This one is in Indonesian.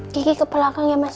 tinggi ke belakang ya mas